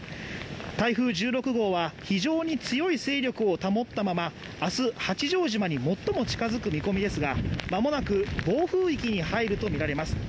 台風１６号は、非常に強い勢力を保ったまま、あす八丈島に最も近づく見込みですが、まもなく暴風域に入るとみられます。